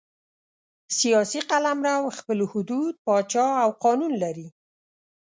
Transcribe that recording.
سیاسي قلمرو خپل حدود، پاچا او قانون لري.